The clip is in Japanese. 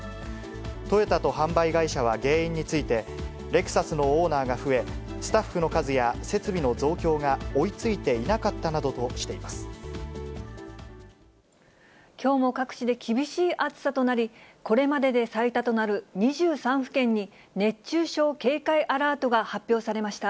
トヨタと販売会社は原因について、レクサスのオーナーが増え、スタッフの数や設備の増強が追いついていなかったなどとしていまきょうも各地で厳しい暑さとなり、これまでで最多となる２３府県に熱中症警戒アラートが発表されました。